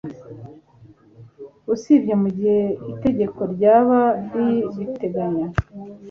usibye mu gihe itegeko ryaba ribiteganya